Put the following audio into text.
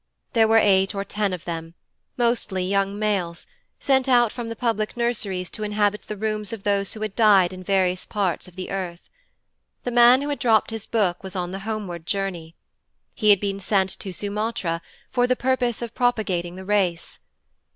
There were eight or ten of them, mostly young males, sent out from the public nurseries to inhabit the rooms of those who had died in various parts of the earth. The man who had dropped his Book was on the homeward journey. He had been sent to Sumatra for the purpose of propagating the race.